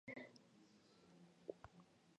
A veces se utiliza la expresión Barroco colonial.